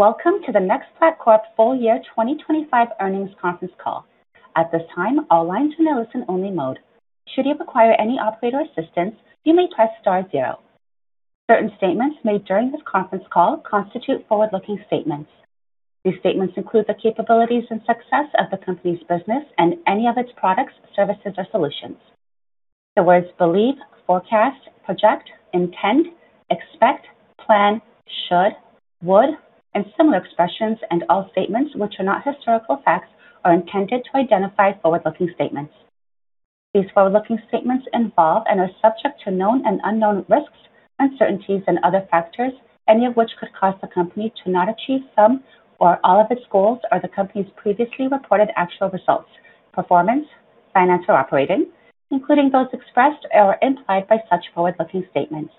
Certain statements made during this conference call constitute forward-looking statements. These statements include the capabilities and success of the company's business and any of its products, services or solutions. The words believe, forecast, project, intend, expect, plan, should, would, and similar expressions and all statements which are not historical facts are intended to identify forward-looking statements. These forward-looking statements involve and are subject to known and unknown risks, uncertainties and other factors, any of which could cause the company to not achieve some or all of its goals or the company's previously reported actual results, performance, financial or operating, including those expressed or implied by such forward-looking statements.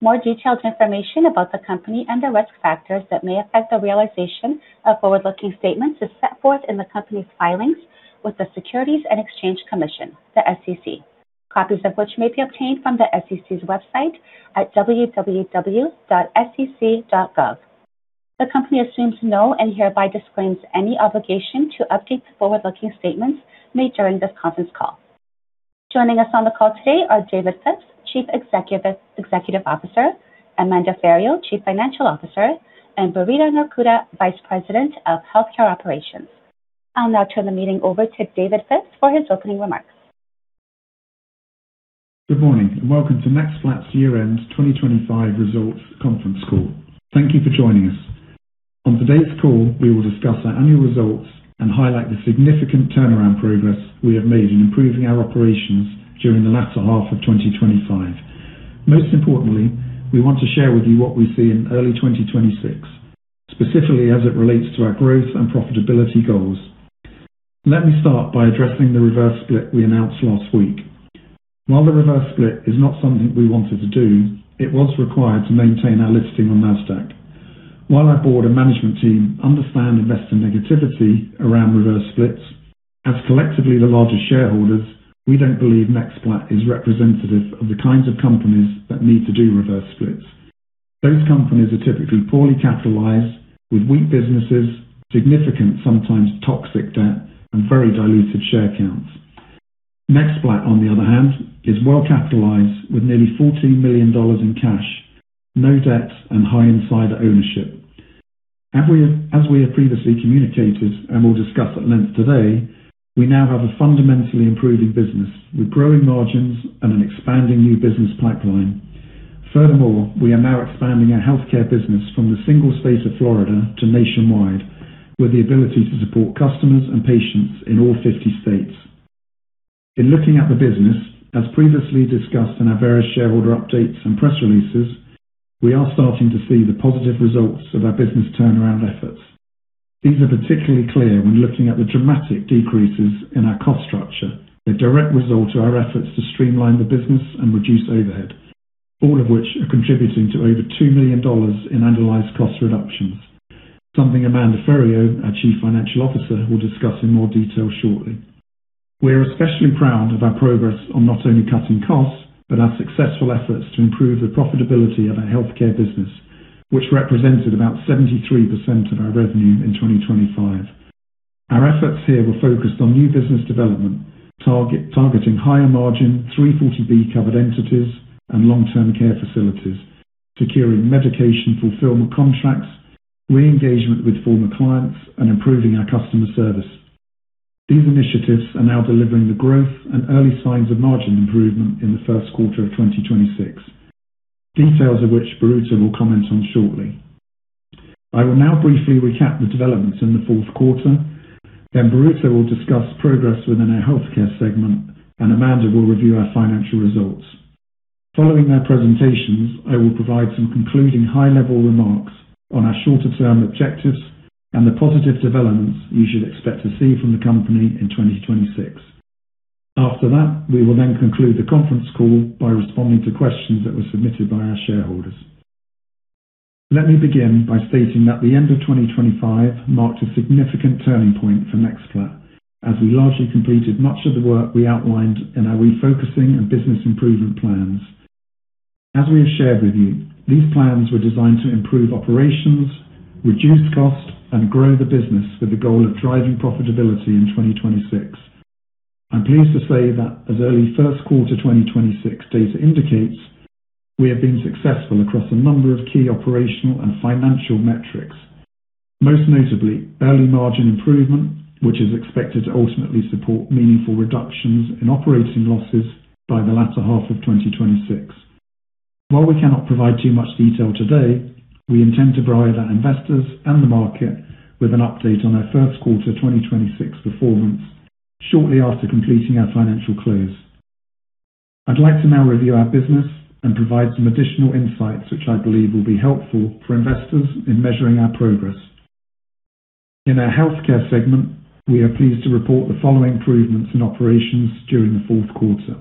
More detailed information about the company and the risk factors that may affect the realization of forward-looking statements is set forth in the company's filings with the Securities and Exchange Commission, the SEC, copies of which may be obtained from the SEC's website at www.sec.gov. The company assumes no and hereby disclaims any obligation to update the forward-looking statements made during this conference call. Joining us on the call today are David Phipps, Chief Executive Officer, Amanda Ferrio, Chief Financial Officer, and Birute Norkute, Vice President of Healthcare Operations. I'll now turn the meeting over to David Phipps for his opening remarks. Good morning and welcome to NextPlat's year-end 2025 results conference call. Thank you for joining us. On today's call, we will discuss our annual results and highlight the significant turnaround progress we have made in improving our operations during the latter half of 2025. Most importantly, we want to share with you what we see in early 2026, specifically as it relates to our growth and profitability goals. Let me start by addressing the reverse split we announced last week. While the reverse split is not something we wanted to do, it was required to maintain our listing on Nasdaq. While our board and management team understand investor negativity around reverse splits, as collectively the largest shareholders, we don't believe NextPlat is representative of the kinds of companies that need to do reverse splits. Those companies are typically poorly capitalized with weak businesses, significant sometimes toxic debt, and very diluted share counts. NextPlat, on the other hand, is well capitalized with nearly $14 million in cash, no debt and high insider ownership. As we have previously communicated and will discuss at length today, we now have a fundamentally improving business with growing margins and an expanding new business pipeline. Furthermore, we are now expanding our healthcare business from the single state of Florida to nationwide with the ability to support customers and patients in all 50 states. In looking at the business, as previously discussed in our various shareholder updates and press releases, we are starting to see the positive results of our business turnaround efforts. These are particularly clear when looking at the dramatic decreases in our cost structure, a direct result of our efforts to streamline the business and reduce overhead, all of which are contributing to over $2 million in annualized cost reductions. Something Amanda L. Ferrio, our Chief Financial Officer, will discuss in more detail shortly. We are especially proud of our progress on not only cutting costs, but our successful efforts to improve the profitability of our healthcare business, which represented about 73% of our revenue in 2025. Our efforts here were focused on new business development, targeting higher margin 340B covered entities and long-term care facilities, securing medication fulfillment contracts, re-engagement with former clients, and improving our customer service. These initiatives are now delivering the growth and early signs of margin improvement in the first quarter of 2026. Details of which Birute Norkute will comment on shortly. I will now briefly recap the developments in the fourth quarter, then Birute will discuss progress within our healthcare segment, and Amanda will review our financial results. Following their presentations, I will provide some concluding high-level remarks on our shorter-term objectives and the positive developments you should expect to see from the company in 2026. After that, we will then conclude the conference call by responding to questions that were submitted by our shareholders. Let me begin by stating that the end of 2025 marked a significant turning point for NextPlat as we largely completed much of the work we outlined in our refocusing and business improvement plans. As we have shared with you, these plans were designed to improve operations, reduce costs, and grow the business with the goal of driving profitability in 2026. I'm pleased to say that as early first quarter 2026 data indicates we have been successful across a number of key operational and financial metrics, most notably early margin improvement, which is expected to ultimately support meaningful reductions in operating losses by the latter half of 2026. While we cannot provide too much detail today, we intend to provide our investors and the market with an update on our first quarter 2026 performance shortly after completing our financial close. I'd like to now review our business and provide some additional insights which I believe will be helpful for investors in measuring our progress. In our Healthcare segment, we are pleased to report the following improvements in operations during the fourth quarter.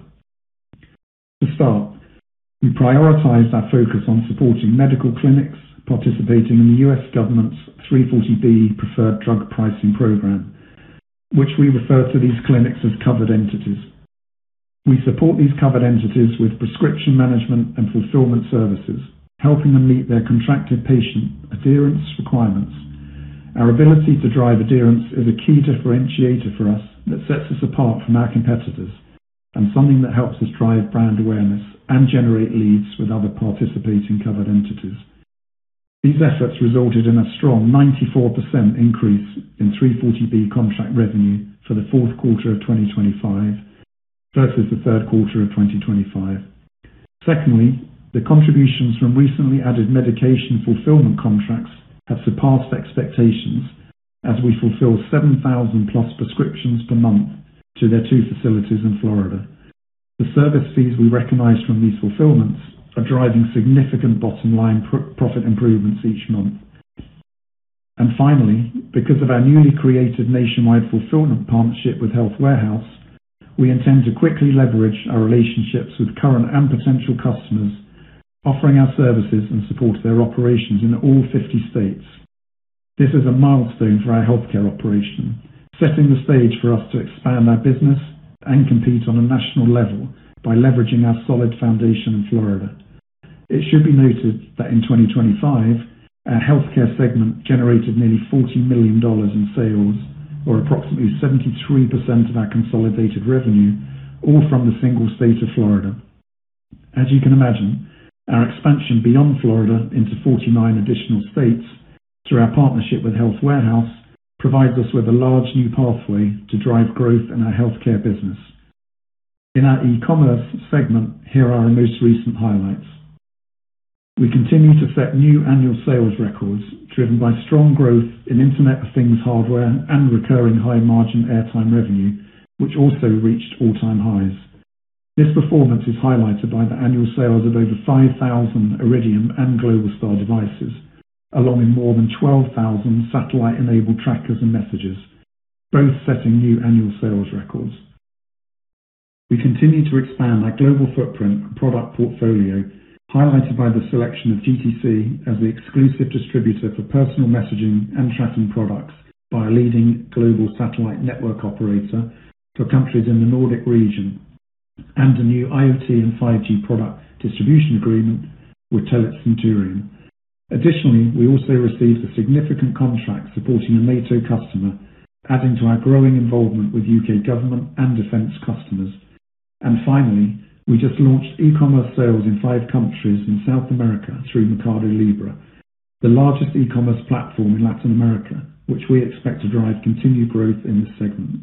To start, we prioritize our focus on supporting medical clinics participating in the U.S. government's 340B Drug Pricing Program, which we refer to these clinics as covered entities. We support these covered entities with prescription management and fulfillment services, helping them meet their contracted patient adherence requirements. Our ability to drive adherence is a key differentiator for us that sets us apart from our competitors and something that helps us drive brand awareness and generate leads with other participating covered entities. These efforts resulted in a strong 94% increase in 340B contract revenue for the fourth quarter of 2025 versus the third quarter of 2025. Secondly, the contributions from recently added medication fulfillment contracts have surpassed expectations as we fulfill 7,000+ prescriptions per month to their two facilities in Florida. The service fees we recognize from these fulfillments are driving significant bottom line profit improvements each month. Finally, because of our newly created nationwide fulfillment partnership with HealthWarehouse, we intend to quickly leverage our relationships with current and potential customers, offering our services and support their operations in all 50 states. This is a milestone for our healthcare operation, setting the stage for us to expand our business and compete on a national level by leveraging our solid foundation in Florida. It should be noted that in 2025, our healthcare segment generated nearly $40 million in sales, or approximately 73% of our consolidated revenue, all from the single state of Florida. As you can imagine, our expansion beyond Florida into 49 additional states through our partnership with HealthWarehouse provides us with a large new pathway to drive growth in our healthcare business. In our e-commerce segment, here are our most recent highlights. We continue to set new annual sales records driven by strong growth in Internet of Things hardware and recurring high margin airtime revenue, which also reached all-time highs. This performance is highlighted by the annual sales of over 5,000 Iridium and Globalstar devices, along with more than 12,000 satellite-enabled trackers and messengers, both setting new annual sales records. We continue to expand our global footprint and product portfolio, highlighted by the selection of GTC as the exclusive distributor for personal messaging and tracking products by a leading global satellite network operator to countries in the Nordic region. A new IoT and 5G product distribution agreement with Telit Cinterion. Additionally, we also received a significant contract supporting a NATO customer, adding to our growing involvement with U.K. government and defense customers. Finally, we just launched e-commerce sales in five countries in South America through Mercado Libre, the largest e-commerce platform in Latin America, which we expect to drive continued growth in this segment.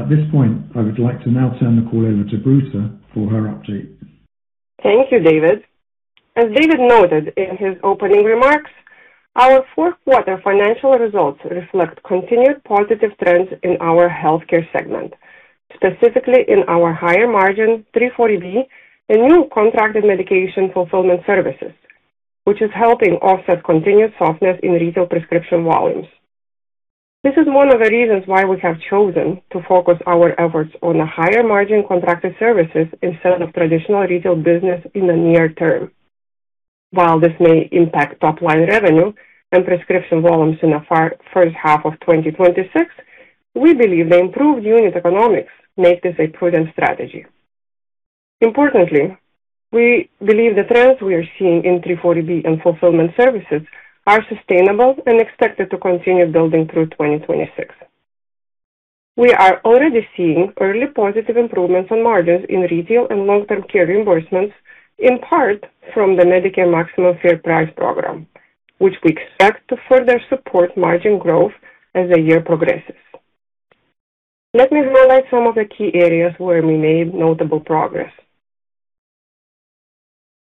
At this point, I would like to now turn the call over to Birute for her update. Thank you, David. As David noted in his opening remarks, our fourth quarter financial results reflect continued positive trends in our healthcare segment, specifically in our higher margin, 340B and new contracted medication fulfillment services, which is helping offset continued softness in retail prescription volumes. This is one of the reasons why we have chosen to focus our efforts on the higher margin contracted services instead of traditional retail business in the near term. While this may impact top line revenue and prescription volumes in the first half of 2026, we believe the improved unit economics make this a prudent strategy. Importantly, we believe the trends we are seeing in 340B and fulfillment services are sustainable and expected to continue building through 2026. We are already seeing early positive improvements on margins in retail and long-term care reimbursements, in part from the Medicare Maximum Fair Price program, which we expect to further support margin growth as the year progresses. Let me highlight some of the key areas where we made notable progress.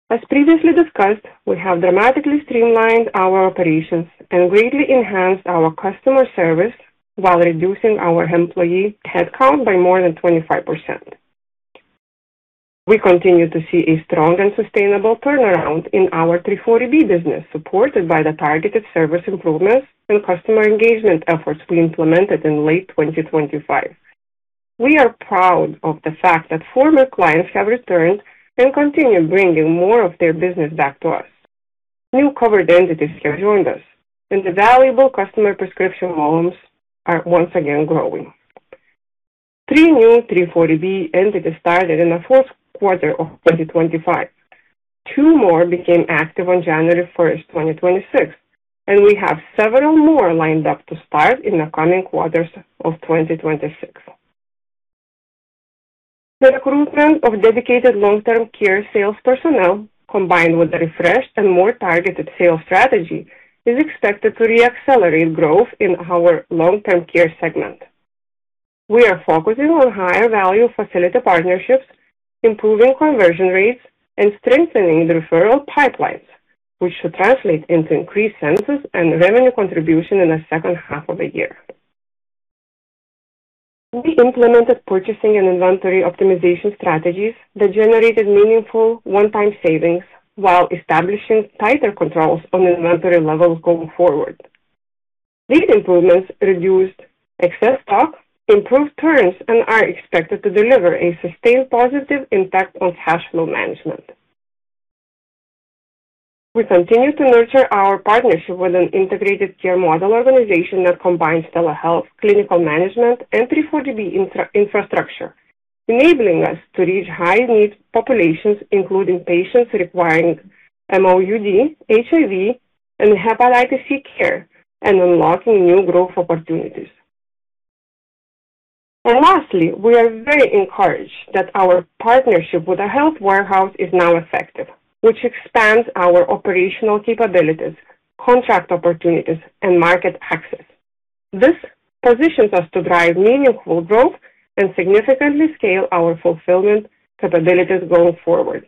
As previously discussed, we have dramatically streamlined our operations and greatly enhanced our customer service while reducing our employee headcount by more than 25%. We continue to see a strong and sustainable turnaround in our 340B business, supported by the targeted service improvements and customer engagement efforts we implemented in late 2025. We are proud of the fact that former clients have returned and continue bringing more of their business back to us. New covered entities have joined us and the valuable customer prescription volumes are once again growing. Three new 340B entities started in the fourth quarter of 2025. Two more became active on January 1st, 2026, and we have several more lined up to start in the coming quarters of 2026. The recruitment of dedicated long-term care sales personnel combined with the refreshed and more targeted sales strategy is expected to re-accelerate growth in our long-term care segment. We are focusing on higher value facility partnerships, improving conversion rates, and strengthening the referral pipelines, which should translate into increased census and revenue contribution in the second half of the year. We implemented purchasing and inventory optimization strategies that generated meaningful one-time savings while establishing tighter controls on inventory levels going forward. These improvements reduced excess stock, improved turns, and are expected to deliver a sustained positive impact on cash flow management. We continue to nurture our partnership with an integrated care model organization that combines telehealth, clinical management, and 340B infrastructure, enabling us to reach high needs populations, including patients requiring MOUD, HIV, and hepatitis C care and unlocking new growth opportunities. Lastly, we are very encouraged that our partnership with HealthWarehouse is now effective, which expands our operational capabilities, contract opportunities, and market access. This positions us to drive meaningful growth and significantly scale our fulfillment capabilities going forward.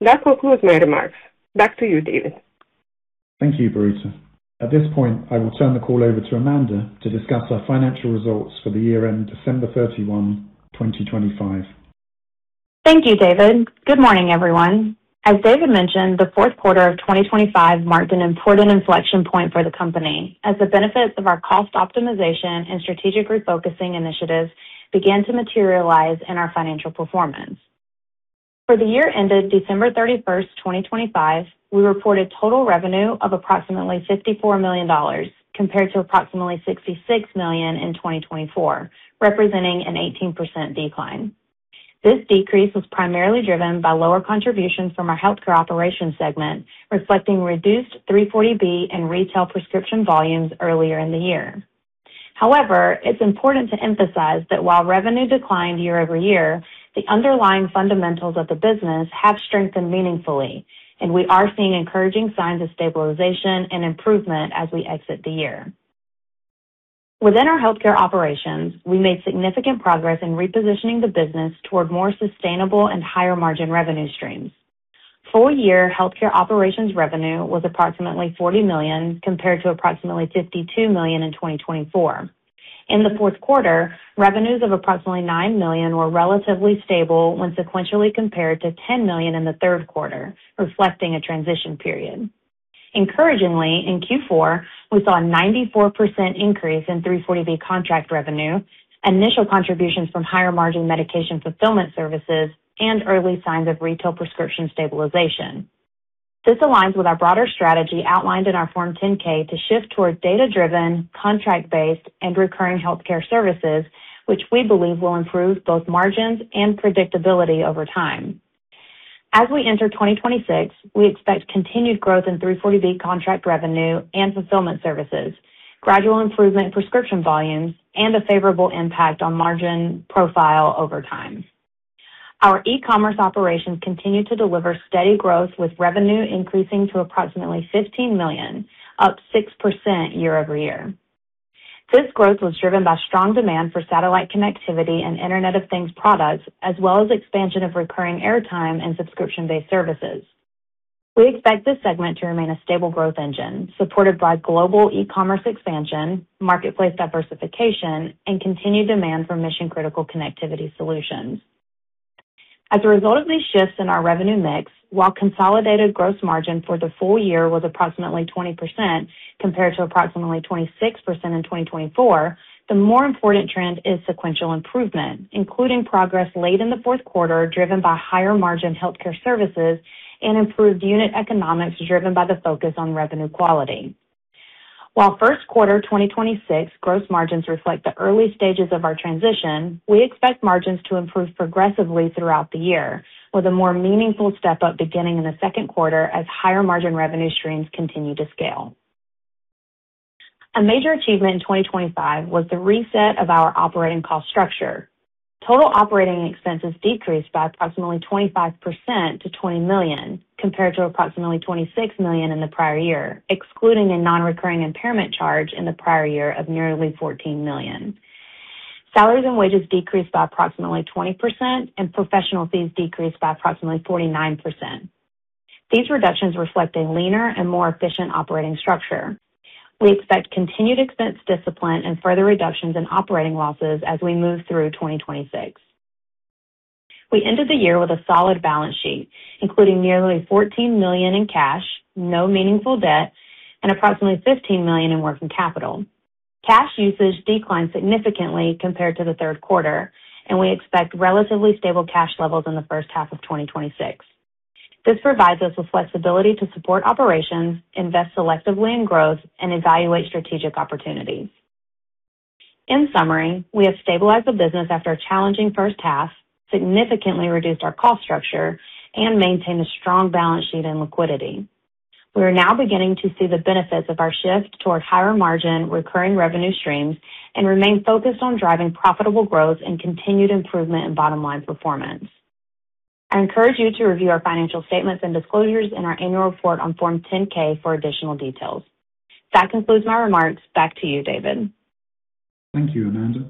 That concludes my remarks. Back to you, David. Thank you, Birute. At this point, I will turn the call over to Amanda to discuss our financial results for the year ended December 31, 2025. Thank you, David. Good morning, everyone. As David mentioned, the fourth quarter of 2025 marked an important inflection point for the company as the benefits of our cost optimization and strategic refocusing initiatives began to materialize in our financial performance. For the year ended December 31, 2025, we reported total revenue of approximately $54 million compared to approximately $66 million in 2024, representing an 18% decline. This decrease was primarily driven by lower contributions from our healthcare operations segment, reflecting reduced 340B and retail prescription volumes earlier in the year. However, it's important to emphasize that while revenue declined year-over-year, the underlying fundamentals of the business have strengthened meaningfully, and we are seeing encouraging signs of stabilization and improvement as we exit the year. Within our healthcare operations, we made significant progress in repositioning the business toward more sustainable and higher margin revenue streams. Full year healthcare operations revenue was approximately $40 million compared to approximately $52 million in 2024. In the fourth quarter, revenues of approximately $9 million were relatively stable when sequentially compared to $10 million in the third quarter, reflecting a transition period. Encouragingly, in Q4, we saw a 94% increase in 340B contract revenue and initial contributions from higher margin medication fulfillment services and early signs of retail prescription stabilization. This aligns with our broader strategy outlined in our Form 10-K to shift towards data-driven, contract-based and recurring healthcare services, which we believe will improve both margins and predictability over time. As we enter 2026, we expect continued growth in 340B contract revenue and fulfillment services, gradual improvement in prescription volumes, and a favorable impact on margin profile over time. Our e-commerce operations continue to deliver steady growth with revenue increasing to approximately $15 million, up 6% year-over-year. This growth was driven by strong demand for satellite connectivity and Internet of Things products, as well as expansion of recurring airtime and subscription-based services. We expect this segment to remain a stable growth engine supported by global e-commerce expansion, marketplace diversification, and continued demand for mission-critical connectivity solutions. As a result of these shifts in our revenue mix, while consolidated gross margin for the full year was approximately 20% compared to approximately 26% in 2024, the more important trend is sequential improvement, including progress late in the fourth quarter, driven by higher margin healthcare services and improved unit economics driven by the focus on revenue quality. While first quarter 2026 gross margins reflect the early stages of our transition, we expect margins to improve progressively throughout the year, with a more meaningful step-up beginning in the second quarter as higher margin revenue streams continue to scale. A major achievement in 2025 was the reset of our operating cost structure. Total operating expenses decreased by approximately 25% to $20 million, compared to approximately $26 million in the prior year, excluding a non-recurring impairment charge in the prior year of nearly $14 million. Salaries and wages decreased by approximately 20%, and professional fees decreased by approximately 49%. These reductions reflect a leaner and more efficient operating structure. We expect continued expense discipline and further reductions in operating losses as we move through 2026. We ended the year with a solid balance sheet, including nearly $14 million in cash, no meaningful debt, and approximately $15 million in working capital. Cash usage declined significantly compared to the third quarter, and we expect relatively stable cash levels in the first half of 2026. This provides us with flexibility to support operations, invest selectively in growth, and evaluate strategic opportunities. In summary, we have stabilized the business after a challenging first half, significantly reduced our cost structure, and maintained a strong balance sheet and liquidity. We are now beginning to see the benefits of our shift toward higher margin recurring revenue streams and remain focused on driving profitable growth and continued improvement in bottom line performance. I encourage you to review our financial statements and disclosures in our annual report on Form 10-K for additional details. That concludes my remarks. Back to you, David. Thank you, Amanda.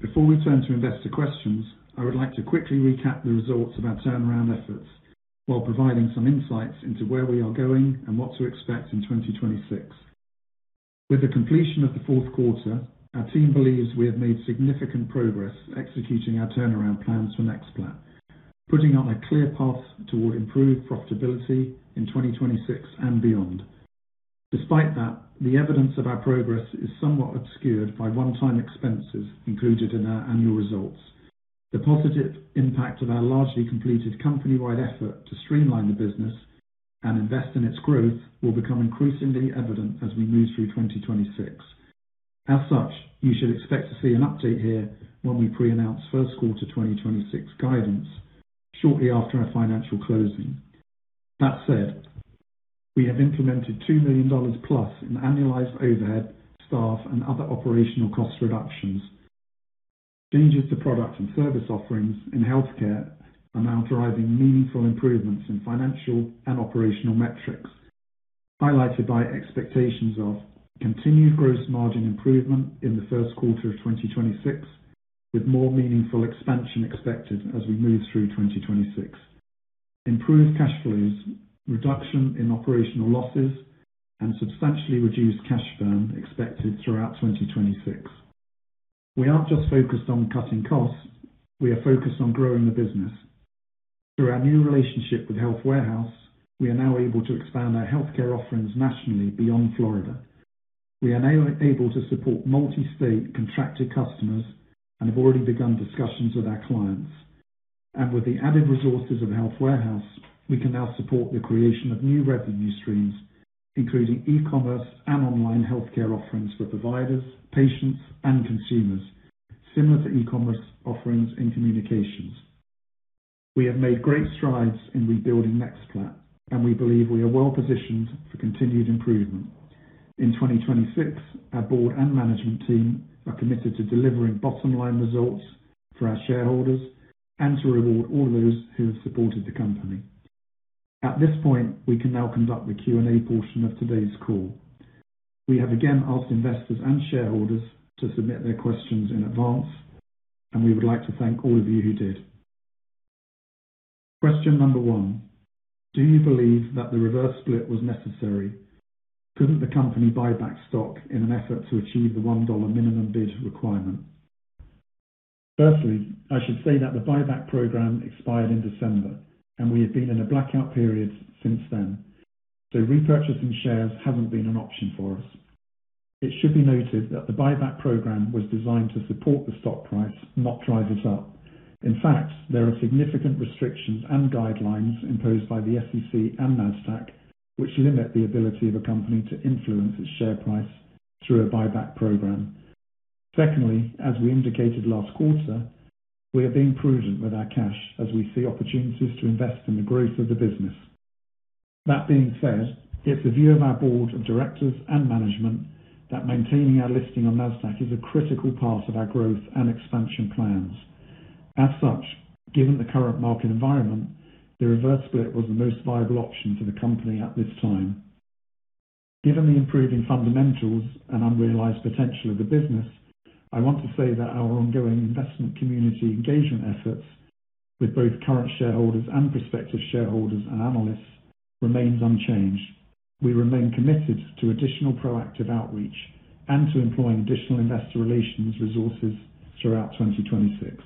Before we turn to investor questions, I would like to quickly recap the results of our turnaround efforts while providing some insights into where we are going and what to expect in 2026. With the completion of the fourth quarter, our team believes we have made significant progress executing our turnaround plans for NextPlat, putting us on a clear path toward improved profitability in 2026 and beyond. Despite that, the evidence of our progress is somewhat obscured by one-time expenses included in our annual results. The positive impact of our largely completed company-wide effort to streamline the business and invest in its growth will become increasingly evident as we move through 2026. As such, you should expect to see an update here when we pre-announce first quarter 2026 guidance shortly after our financial closing. That said, we have implemented $2 million+ in annualized overhead, staff, and other operational cost reductions. Changes to product and service offerings in healthcare are now driving meaningful improvements in financial and operational metrics, highlighted by expectations of continued gross margin improvement in the first quarter of 2026, with more meaningful expansion expected as we move through 2026, improved cash flows, reduction in operational losses, and substantially reduced cash burn expected throughout 2026. We aren't just focused on cutting costs. We are focused on growing the business. Through our new relationship with HealthWarehouse, we are now able to expand our healthcare offerings nationally beyond Florida. We are now able to support multi-state contracted customers and have already begun discussions with our clients. With the added resources of HealthWarehouse, we can now support the creation of new revenue streams, including e-commerce and online healthcare offerings for providers, patients, and consumers, similar to e-commerce offerings in communications. We have made great strides in rebuilding NextPlat, and we believe we are well positioned for continued improvement. In 2026, our board and management team are committed to delivering bottom-line results for our shareholders and to reward all those who have supported the company. At this point, we can now conduct the Q&A portion of today's call. We have again asked investors and shareholders to submit their questions in advance, and we would like to thank all of you who did. Question number one. Do you believe that the reverse split was necessary? Couldn't the company buy back stock in an effort to achieve the $1 minimum bid requirement? Firstly, I should say that the buyback program expired in December, and we have been in a blackout period since then, so repurchasing shares haven't been an option for us. It should be noted that the buyback program was designed to support the stock price, not drive it up. In fact, there are significant restrictions and guidelines imposed by the SEC and Nasdaq, which limit the ability of a company to influence its share price through a buyback program. Secondly, as we indicated last quarter, we are being prudent with our cash as we see opportunities to invest in the growth of the business. That being said, it's the view of our board of directors and management that maintaining our listing on Nasdaq is a critical part of our growth and expansion plans. As such, given the current market environment, the reverse split was the most viable option for the company at this time. Given the improving fundamentals and unrealized potential of the business, I want to say that our ongoing investment community engagement efforts with both current shareholders and prospective shareholders and analysts remains unchanged. We remain committed to additional proactive outreach and to employing additional investor relations resources throughout 2026.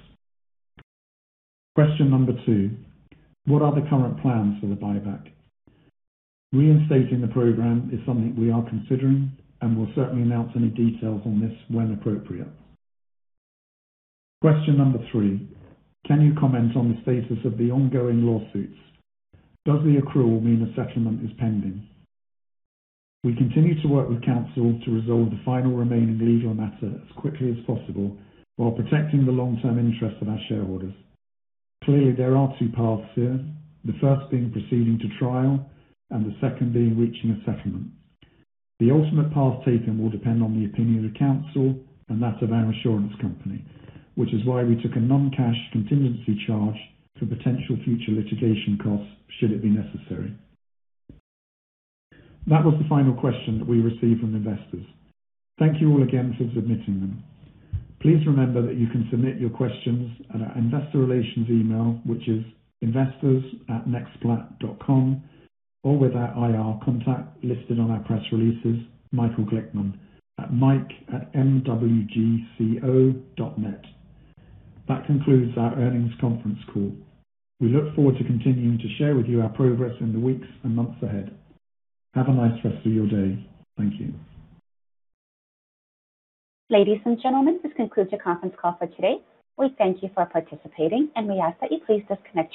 Question number two. What are the current plans for the buyback? Reinstating the program is something we are considering and will certainly announce any details on this when appropriate. Question number three. Can you comment on the status of the ongoing lawsuits? Does the accrual mean a settlement is pending? We continue to work with counsel to resolve the final remaining legal matter as quickly as possible while protecting the long-term interest of our shareholders. Clearly, there are two paths here. The first being proceeding to trial and the second being reaching a settlement. The ultimate path taken will depend on the opinion of counsel and that of our insurance company, which is why we took a non-cash contingency charge for potential future litigation costs should it be necessary. That was the final question that we received from investors. Thank you all again for submitting them. Please remember that you can submit your questions at our investor relations email, which is investors@nextplat.com, or with our IR contact listed on our press releases, Michael Glickman at mike@mwgco.net. That concludes our earnings conference call. We look forward to continuing to share with you our progress in the weeks and months ahead. Have a nice rest of your day. Thank you. Ladies and gentlemen, this concludes your conference call for today. We thank you for participating and we ask that you please disconnect your lines.